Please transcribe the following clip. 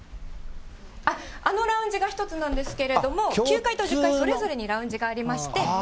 あのラウンジが１つなんですけれども、９階と１０階、それぞれにラウンジがありまして。